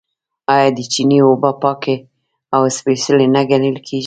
آیا د چینې اوبه پاکې او سپیڅلې نه ګڼل کیږي؟